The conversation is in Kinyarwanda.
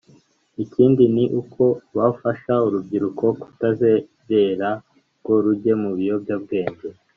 Ikindi ni uko bafasha urubyiruko kutazerera ngo rujye mu biyobyabwenge